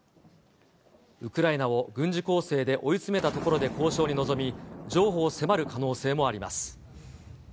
ウクライナを軍事攻勢で追い詰めたところで交渉に臨み、譲歩を迫る可能性もあります。